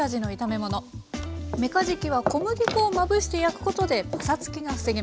めかじきは小麦粉をまぶして焼くことでパサつきが防げます。